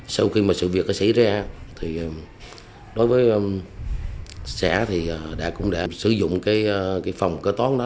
sau khi sự việc xảy ra đối với xã cũng đã sử dụng phòng cơ tón